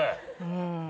うん。